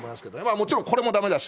もちろんこれもだめだし。